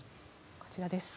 こちらです。